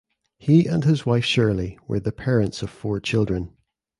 He and his wife Shirley were the parents of four children.